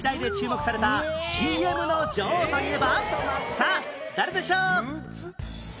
さあ誰でしょう？